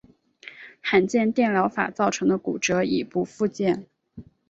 早年电疗法造成的骨折已不复见。